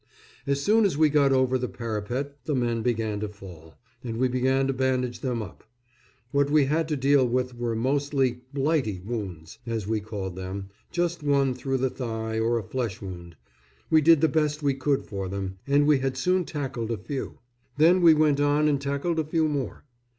As soon as we got over the parapet the men began to fall, and we began to bandage them up. What we had to deal with were mostly "blighty" wounds, as we called them just one through the thigh, or a flesh wound. We did the best we could for them; and we had soon tackled a few. Then we went on and tackled a few more.